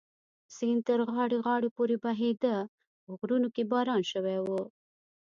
سیند تر غاړې غاړې پورې بهېده، په غرونو کې باران شوی و.